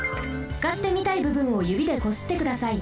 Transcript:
すかしてみたいぶぶんをゆびでこすってください。